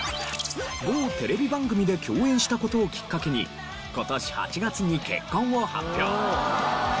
某テレビ番組で共演した事をきっかけに今年８月に結婚を発表。